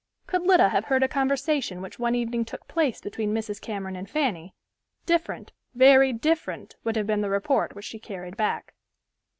Could Lida have heard a conversation which one evening took place between Mrs. Cameron and Fanny, different, very different would have been the report which she carried back.